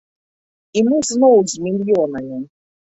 І мы зноў з мільёнамі.